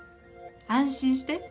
安心して？